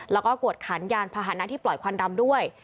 แล้วก็กวดขันยานพาหนะที่ปล่อยควันดำด้วย